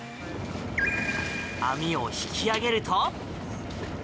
網を引き揚げると。